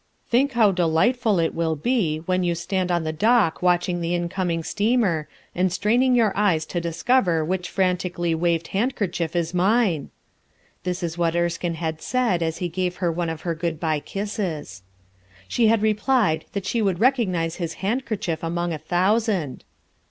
"Think how delightful it will be, when you stand on the dock watching tho incoming IIS RUTH ERSKINE'S SON steamer, and straining your eyes to discover which frantically waved handkerchief is mine!" This was what Erskine had said as he g ave her one of her good by kisses. She had replied that she would recognize his handkcrcliief among a thousand.